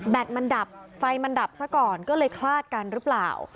มันดับไฟมันดับซะก่อนก็เลยคลาดกันหรือเปล่า